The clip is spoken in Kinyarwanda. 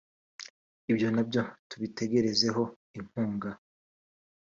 ibyo na byo tubitegerezaho inkunga